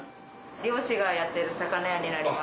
漁師がやってる魚屋になります。